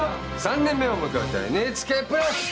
３年目を迎えたＮＨＫプラス！